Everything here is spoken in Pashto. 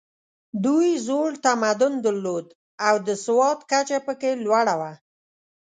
دوی زوړ تمدن درلود او د سواد کچه پکې لوړه وه.